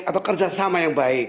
atau kerjasama yang baik